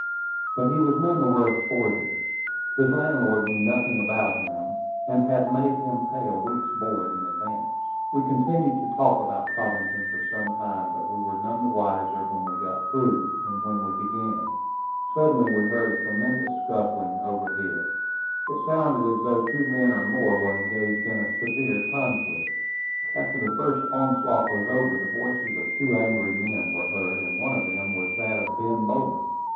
But he was none the worse for this. His landlord knew nothing about him, and had made him pay a week's board in advance. We continued to talk about Cobbington for some time; but we were none the wiser when we got through than when we began. Suddenly we heard a tremendous scuffling overhead. It sounded as though two men or more were engaged in a severe conflict. After the first onslaught was over, the voices of two angry men were heard; and one of them was that of Ben Bowman.